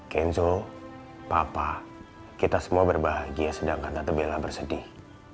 kenzo papa kita semua berbahagia sedangkan tante bella bersedih